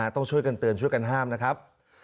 ต้องช่วยกันเตือนช่วยกันห้ามนะครับ